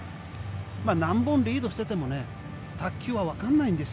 何本リードしていても卓球はわかんないんです。